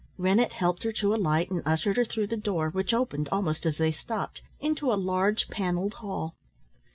Rennett helped her to alight and ushered her through the door, which opened almost as they stopped, into a large panelled hall.